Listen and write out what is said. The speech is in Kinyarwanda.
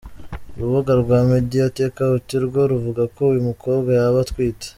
Urubuga rwa MediaTakeOut rwo ruvuga ko uyu mukobwa yaba atwite.